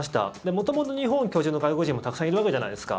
元々日本居住の外国人もたくさんいるわけじゃないですか。